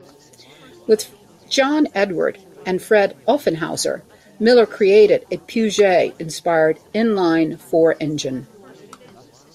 With John Edward and Fred Offenhauser, Miller created a Peugeot-inspired inline-four engine.